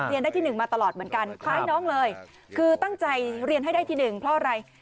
ได้ที่๑มาตลอดเหมือนกันคล้ายน้องเลยคือตั้งใจเรียนให้ได้ที่๑เพราะอะไร